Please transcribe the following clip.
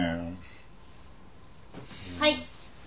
はい。